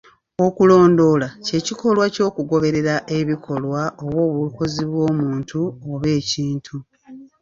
Okulondoola ky'ekikolwa ky'okugoberera ebikolwa oba obukozi bw'omuntu oba ekintu.